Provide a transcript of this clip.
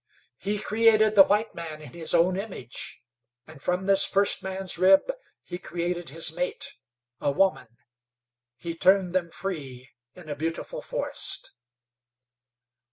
He created the white man in His own image, and from this first man's rib He created his mate a woman. He turned them free in a beautiful forest.